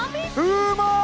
うまい！